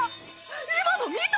今の見た！？